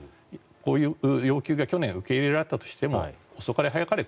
こういう要求が去年、受け入れられたとしても遅かれ早かれ